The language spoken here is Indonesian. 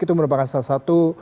itu merupakan salah satu